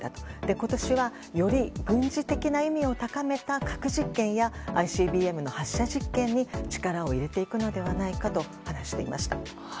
今年はより軍事的な意味を高めた核実験やＩＣＢＭの発射実験に力を入れていくのではないかと話していました。